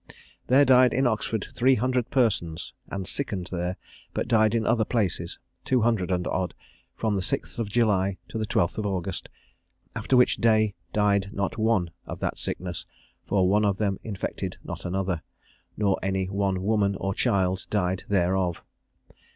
There died in Oxford three hundred persons; and sickened there, but died in other places, two hundred and odd, from the 6th of July to the 12th of August, after which day died not one of that sickness, for one of them infected not another, nor any one woman or child died thereof.